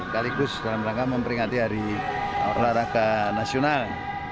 kaligus dalam rangka memperingati hari olahraga nasional